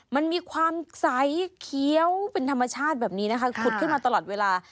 มันมีความใสเคี้ยวเป็นธรรมชาติแบบนี้นะคะขุดขึ้นมาตลอดเวลา